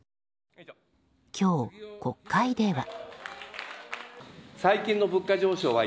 今日、国会では。